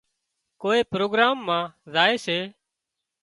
ڪوئي پروگرام مان زائي سي